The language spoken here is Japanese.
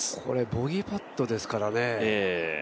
ボギーパットですからね。